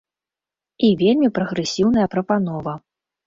І вельмі прагрэсіўная прапанова.